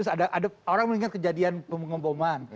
ada orang mengingat kejadian pengeboman